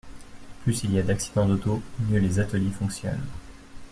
Plus il y a d’accidents d’auto, mieux les ateliers fonctionnent.